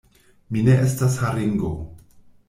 Mi ne estas haringo!